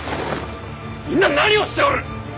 みんな何をしておる！